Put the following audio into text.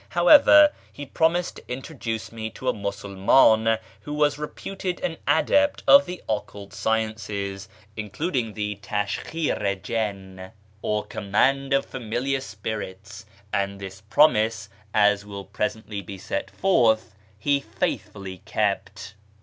However, he promised to introduce me to a Musulman who was reputed an adept in the occult sciences, including the taskhir i jinn, or command of familiar spirits, and this promise, as will presently be set forth, he faithfully kept.